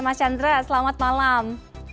mas chandra selamat malam